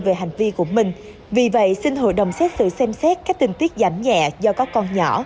về hành vi của mình vì vậy xin hội đồng xét xử xem xét các tình tiết giảm nhẹ do có con nhỏ